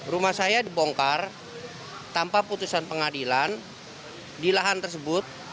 rumah saya dibongkar tanpa putusan pengadilan di lahan tersebut